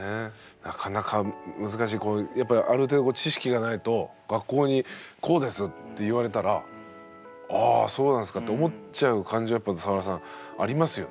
なかなか難しいこうやっぱりある程度こう知識がないと学校にこうですって言われたらああそうなんですかって思っちゃう感じはやっぱサワラさんありますよね。